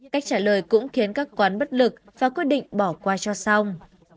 cách trả lời cũng khiến các quán bất lực và quyết định bỏ qua cho xong